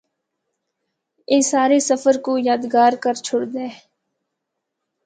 اے سارے سفر کو یادگار کر چُھڑدا ہے۔